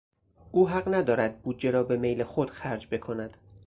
او حق ندارد بودجه را به میل خود خرج بکند.